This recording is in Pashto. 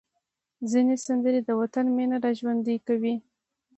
ځینې سندرې د وطن مینه راژوندۍ کوي.